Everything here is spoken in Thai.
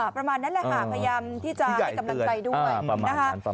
ประมาณนั้นแหละค่ะพยายามให้กำลังกายด้วย